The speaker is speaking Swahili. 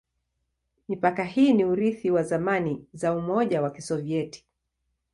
Mipaka hii ni urithi wa zamani za Umoja wa Kisovyeti.